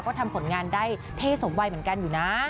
ก็ทำผลงานได้เท่สมวัยเหมือนกันอยู่นะ